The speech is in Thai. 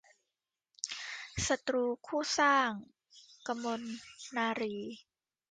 ศัตรูคู่สร้าง - กมลนารีย์